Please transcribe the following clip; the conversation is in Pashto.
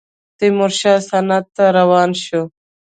تیمورشاه سند ته روان شو.